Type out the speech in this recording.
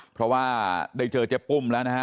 เพราะว่าได้เจอเจ๊ปุ้มแล้วนะฮะ